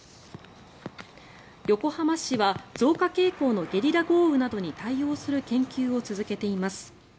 横浜市は増加傾向のゲリラ豪雨などに対応する研究を続けています。